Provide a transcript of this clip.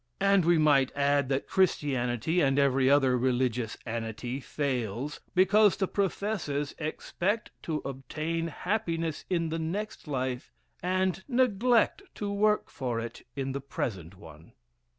And we might add that Christianity, and every other religious "anity," fails, because the professors expect to obtain happiness in the next life, and neglect to work for it in the present one.